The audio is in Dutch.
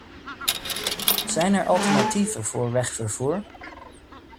Zijn er alternatieven voor wegvervoer?